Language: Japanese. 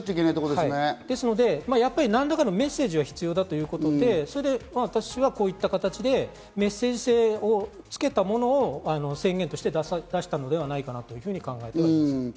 ですので何らかのメッセージが必要だと思っていて、私はこういった形でメッセージ性をつけたものを宣言として出したのではないかなと考えています。